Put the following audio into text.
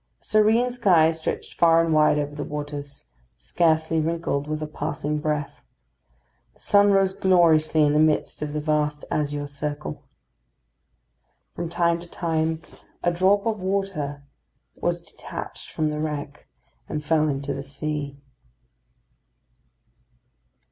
A serene sky stretched far and wide over the waters, scarcely wrinkled with a passing breath. The sun rose gloriously in the midst of the vast azure circle. From time to time a drop of water was detached from the wreck and fell into the sea.